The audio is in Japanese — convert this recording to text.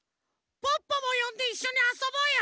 ポッポもよんでいっしょにあそぼうよ。